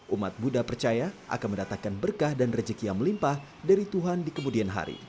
umat buddha percaya akan mendatangkan berkah dan rezeki yang melimpah dari tuhan di kemudian hari